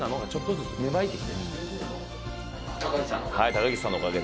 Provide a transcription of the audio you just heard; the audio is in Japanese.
高岸さんのおかげ？